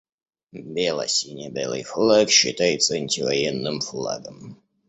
Бело-сине-белый флаг считается антивоенным флагом.